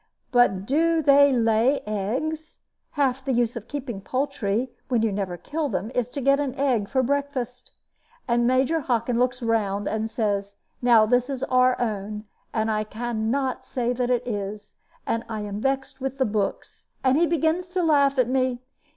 But do they lay eggs? Half the use of keeping poultry, when you never kill them, is to get an egg for breakfast; and Major Hockin looks round and says, 'Now is this our own?' and I can not say that it is; and I am vexed with the books, and he begins to laugh at me.